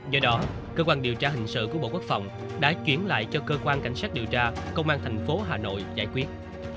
do đó cơ quan điều tra hình sự của bộ quốc phòng đã chuyển lại cho cơ quan cảnh sát điều tra công an thành phố hà nội giải quyết